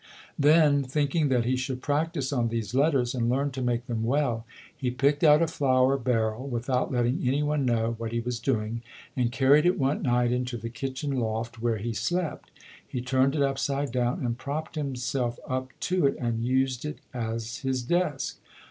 Then, thinking that he should practice on these letters and learn to make them well, he picked out a flour barrel, without letting any one know what he was doing, and carried it one night into the kitchen loft where he slept. He turned it up side down and propped himself up to it and used it as his desk.